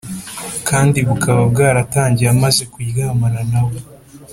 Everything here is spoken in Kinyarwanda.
kandi bukaba bwaratangiye amaze kuryamana nawe